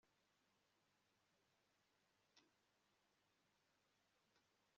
kubyuka bukeye